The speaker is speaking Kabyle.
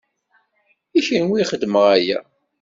I kenwi i xedmeɣ aya.